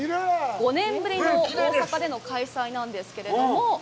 ５年ぶりの大阪での開催なんですけれども。